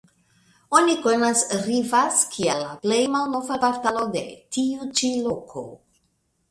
Oni konas "Rivas" kiel la plej malnova kvartalo de tiu ĉi loko.